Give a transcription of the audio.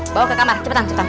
bawa ke kamar cepetan kita